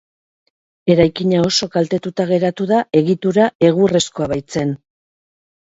Eraikina oso kaltetuta geratu da egitura egurrezkoa baitzen.